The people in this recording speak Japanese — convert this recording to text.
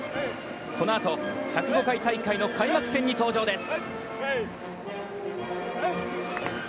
このあと、１０５回大会の開幕戦に登場です。